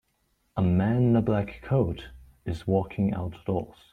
A man in a black coat is walking outdoors.